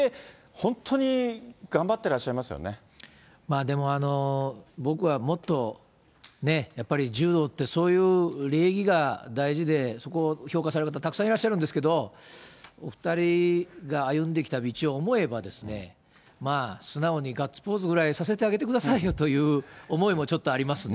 本当に僕はもっと、柔道ってそういう礼儀が大事で、そこを評価される方、たくさんいらっしゃるんですけれども、お２人が歩んできた道を思えば、素直にガッツポーズぐらいさせてあげてくださいよという思いもちょっとありますね。